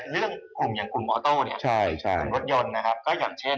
เรื่องกลุ่มอย่างขุมมอตโมโต้เนี่ยใช่ใช่จะรถยนต์นะครับก็แหล่งเช่น